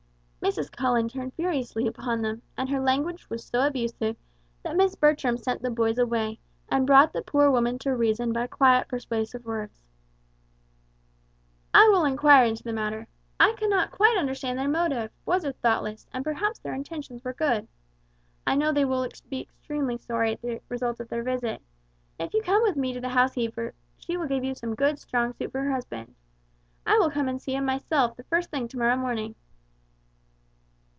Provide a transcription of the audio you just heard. Mrs. Cullen turned furiously upon them, and her language was so abusive, that Miss Bertram sent the boys away, and brought the poor woman to reason by quiet, persuasive words. "I will enquire into the matter. I cannot quite understand their motive; boys are thoughtless, and perhaps their intentions were good. I know they will be extremely sorry at the result of their visit. If you come with me to the housekeeper she will give you some good, strong soup for your husband. I will come and see him myself the first thing to morrow morning."